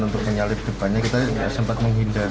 untuk menyalip depannya kita sempat menghindar